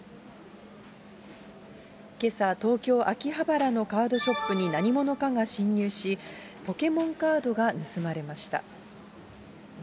けさ、東京・秋葉原のカードショップに何者かが侵入し、ポケモンカードが盗まれました。